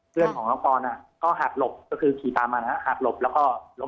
เพื่อนของน้องปอนก็หักหลบก็คือขี่ตามมานะฮะหักหลบแล้วก็ล้ม